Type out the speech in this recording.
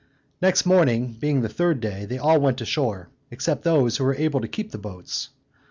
Next morning, being the third day, they all went ashore, except those who were to keep the boats.